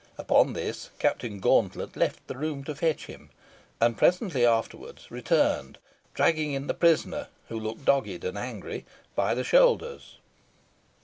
Upon this, Captain Gauntlet left the room to fetch him, and presently afterwards returned dragging in the prisoner, who looked dogged and angry, by the shoulders.